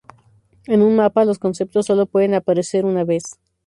En un mapa los conceptos solo pueden aparecer una vez.